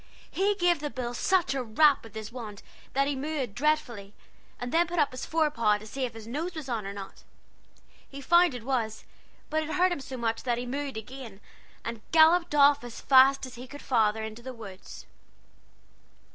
He gave the bull such a rap with his wand that he moo ed dreadfully, and then put up his fore paw, to see if his nose was on or not. He found it was, but it hurt him so that he 'moo ed' again, and galloped off as fast as he could into the woods.